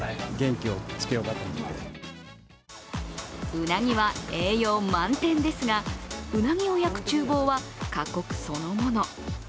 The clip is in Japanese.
うなぎは栄養満点ですがうなぎを焼くちゅう房は過酷そのもの。